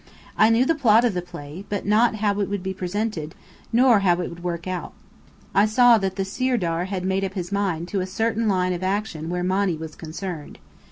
I knew the plot of the play, but not how it would be presented, nor how it would work out. I saw that the Sirdar had made up his mind to a certain line of action where Monny was concerned.